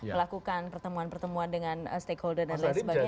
melakukan pertemuan pertemuan dengan stakeholder dan lain sebagainya